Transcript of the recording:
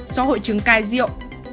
do hội chứng cai rượu